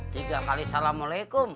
tiga kali assalamu'alaikum